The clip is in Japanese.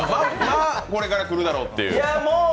これから来るだろうという？